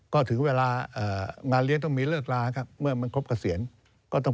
ก็ถึงเวลางานเลี้ยงต้องมีเลิกลาครับเมื่อมันครบเกษียณก็ต้อง